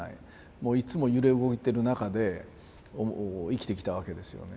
もういつも揺れ動いてる中で生きてきたわけですよね。